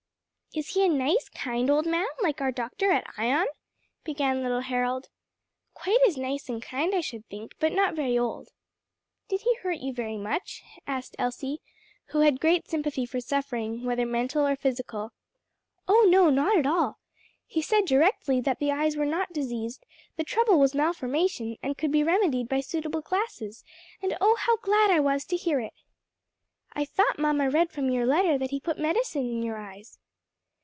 "Is he a nice kind old man, like our doctor at Ion?" began little Harold. "Quite as nice and kind I should think, but not very old." "Did he hurt you very much?" asked Elsie, who had great sympathy for suffering, whether mental or physical. "Oh, no, not at all! He said directly that the eyes were not diseased; the trouble was malformation and could be remedied by suitable glasses; and oh, how glad I was to hear it!" "I thought mamma read from your letter that he put medicine in your eyes."